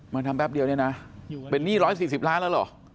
มาทำแป๊บเดียวเนี่ยนะเป็นหนี้๑๔๐ล้านแล้วเหรอ